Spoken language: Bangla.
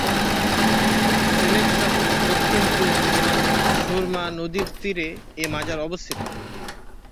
সিলেট শহরের দক্ষিণ পূর্ব সীমান্তে সুরমা নদীর তীরে এ মাজার অবস্থিত।